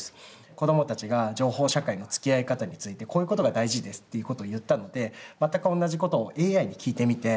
子どもたちが情報社会のつきあい方についてこういうことが大事ですっていうことを言ったので全く同じことをＡＩに聞いてみて。